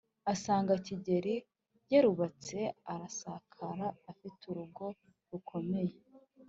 asanga gikeli yarubatse, arasakara, afite urugo rukomeye..